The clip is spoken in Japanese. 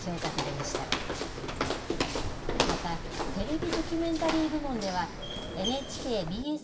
また、テレビ・ドキュメンタリー部門では、ＮＨＫＢＳ